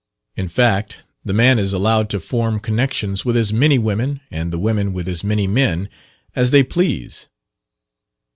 In fact, the man is allowed to form connections with as many women, and the women with as many men, as they please.